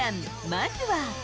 まずは。